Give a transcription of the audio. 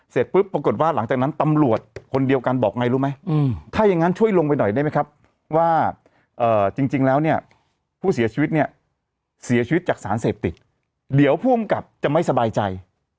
เสร็จปุ๊บปรากฏว่าหลังจากนั้นตำรวจคนเดียวกันบอกไงรู้ไหมถ้าอย่างนั้นช่วยลงไปหน่อยได้ไหมครับว่าจริงแล้วเนี่ยผู้เสียชีวิตเนี่ยเสียชีวิตจากสารเสพติดเดี๋ยวผู้กำกับจะไม่สบายใจ